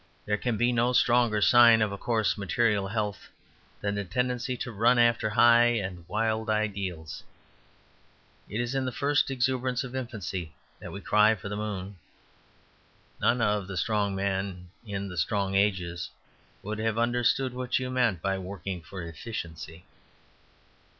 There can be no stronger sign of a coarse material health than the tendency to run after high and wild ideals; it is in the first exuberance of infancy that we cry for the moon. None of the strong men in the strong ages would have understood what you meant by working for efficiency.